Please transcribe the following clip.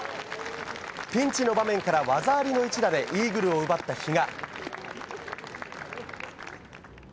ピンチの場面から技ありの一打でイーグルを奪った比嘉。